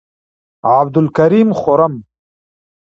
عبدالکریم خرم،